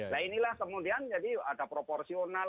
nah inilah kemudian jadi ada proporsional